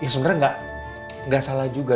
sebenernya gak salah juga